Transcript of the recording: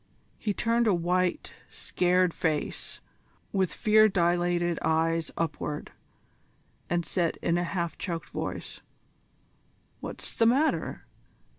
He turned a white, scared face with fear dilated eyes upward, and said in a half choked voice: "What's the matter?